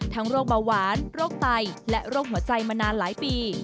โรคเบาหวานโรคไตและโรคหัวใจมานานหลายปี